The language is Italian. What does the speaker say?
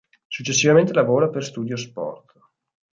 Successivamente lavora per "Studio Sport".